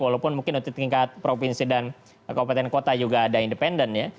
walaupun mungkin untuk tingkat provinsi dan kabupaten kota juga ada independen ya